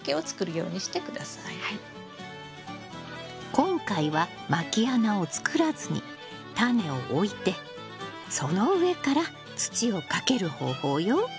今回はまき穴を作らずにタネを置いてその上から土をかける方法よ。